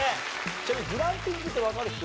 ちなみにグランピングってわかる人？